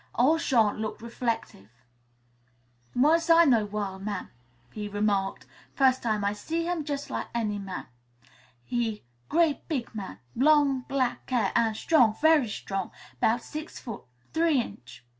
Old Jean looked reflective. "Once I know wil' man," he remarked. "First time I see him, jus' lak' any man. He great, big man; long black hair, an' strong; very strong. 'Bout six foot, three inch.